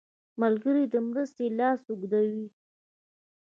ملګری د مرستې لاس اوږدوي